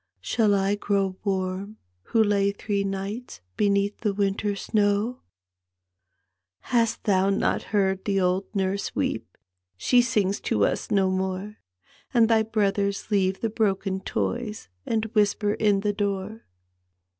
Shall I grow warm who lay three nights Beneath the winter snowf " Hast thou not heard the old nurse weep? She sings to us no more; And thy brothers leave the bioken toys And whisper in the door."